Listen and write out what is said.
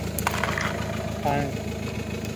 攀鲈亚目为辐鳍鱼纲攀鲈目的其中一个亚目。